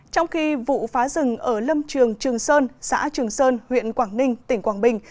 trong khi vụ phá rừng ở lâm trường trường sơn xã trường sơn huyện quảng ninh tỉnh quảng bình